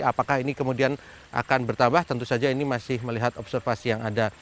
apakah ini kemudian akan bertambah tentu saja ini masih melihat observasi yang ada